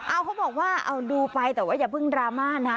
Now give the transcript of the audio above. เอาเขาบอกว่าเอาดูไปแต่ว่าอย่าเพิ่งดราม่านะ